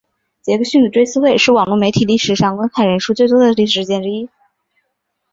杰克逊的追思会是网路媒体历史上观看人数最多的事件之一。